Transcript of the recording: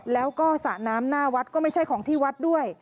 แล้วก็สระน้ำหน้าวัดก็ไม่ใช่ของที่วัดด้วย